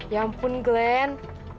ya ampun glenn